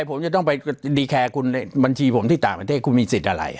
ผมจะต้องไปดีแคร์คุณในบัญชีผมที่ต่างประเทศคุณมีสิทธิ์อะไร